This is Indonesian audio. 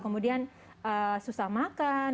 kemudian susah makan